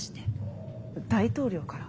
大統領から？